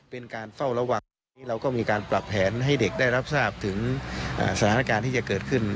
เป็นการเฝ้าระวังตอนนี้เราก็มีการปรับแผนให้เด็กได้รับทราบถึงสถานการณ์ที่จะเกิดขึ้น